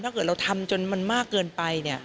ถ้าเกิดเราทำจนมันมากเกินไปเนี่ย